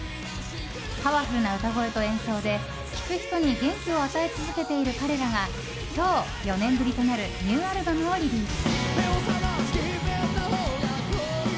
パワフルな歌声と演奏で聴く人に元気を与え続けている彼らが今日、４年ぶりとなるニューアルバムをリリース。